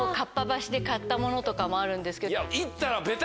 で買ったものとかもあるんですけど。